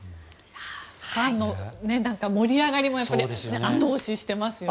ファンの盛り上がりも後押ししてますよね。